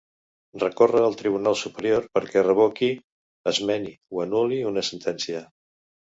Recorre al tribunal superior perquè revoqui, esmeni o anul·li una sentència.